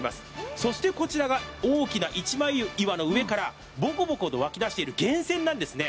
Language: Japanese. そしてこちらが大きな一枚岩の上からぼこぼこと湧き出している源泉なんですね。